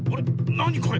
なにこれ？